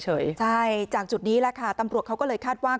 ใช่จากจุดนี้แหละค่ะตำรวจเขาก็เลยคาดว่า